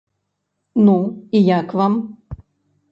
Ну, і як вам?